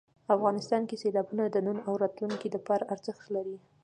افغانستان کې سیلابونه د نن او راتلونکي لپاره ارزښت لري.